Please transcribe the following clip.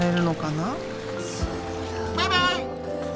バイバイ！